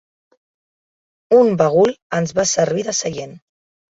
Un bagul ens va servir de seient.